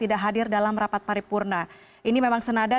dan negara kesatuan republik indonesia